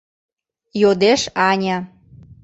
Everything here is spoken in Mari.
йодеш Аня.